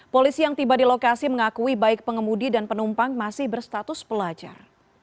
polisi yang tiba di lokasi mengakui baik pengemudi dan penumpang masih berstatus pelajar